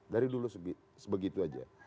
dari dulu sebegitu aja